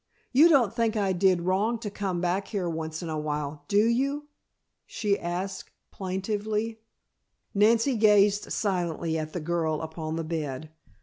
You don't think I did wrong to come back here once in a while, do you?" she asked plaintively. Nancy gazed silently at the girl upon the bed.